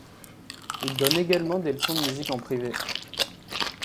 Il donne également des leçons de musique en privé.